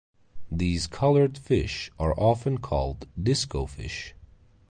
These coloured fish are often called "disco fish".